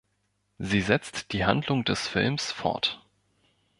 Sie setzt die Handlung des Films fort.